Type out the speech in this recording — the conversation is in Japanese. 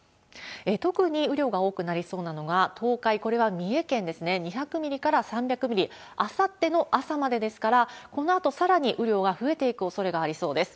特に雨量が多くなりそうなのが東海、これは三重県ですね、２００ミリから３００ミリ、あさっての朝までですから、このあとさらに雨量は増えていくおそれがありそうです。